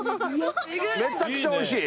めちゃくちゃおいしい？